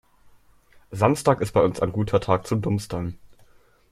Samstag ist bei uns ein guter Tag zum Dumpstern.